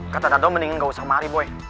kata dado mendingan gak usah mari boy